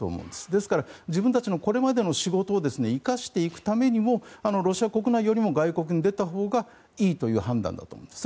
ですから自分たちのこれまでの仕事を生かしていくためにもロシア国内よりも外国に出たほうがいいという判断だと思います。